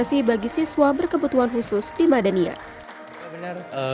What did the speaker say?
ketua osis angga bagi siswa berkebutuhan khusus di madania